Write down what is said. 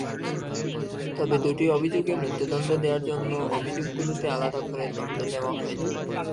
তবে দুটি অভিযোগে মৃত্যুদণ্ড দেওয়ায় অন্য অভিযোগগুলোতে আলাদা করে দণ্ড দেওয়া হয়নি।